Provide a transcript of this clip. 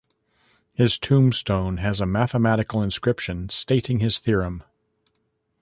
His tombstone has a mathematical inscription stating his theorem.